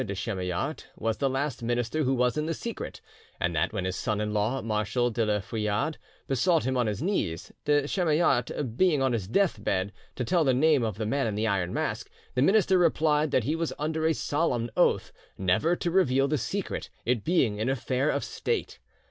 de Chamillart was the last minister who was in the secret, and that when his son in law, Marshal de la Feuillade, besought him on his knees, de Chamillart being on his deathbed, to tell him the name of the Man in the Iron Mask, the minister replied that he was under a solemn oath never to reveal the secret, it being an affair of state.